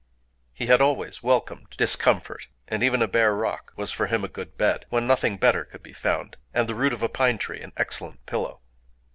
He had always welcomed discomfort; and even a bare rock was for him a good bed, when nothing better could be found, and the root of a pine tree an excellent pillow.